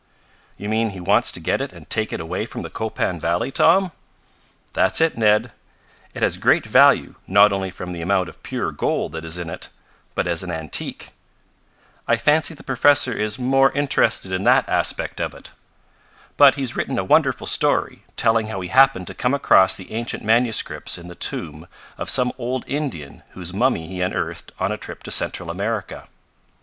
"You mean he wants to get it and take it away from the Copan valley, Tom?" "That's it, Ned. It has great value not only from the amount of pure gold that is in it, but as an antique. I fancy the professor is more interested in that aspect of it. But he's written a wonderful story, telling how he happened to come across the ancient manuscripts in the tomb of some old Indian whose mummy he unearthed on a trip to Central America.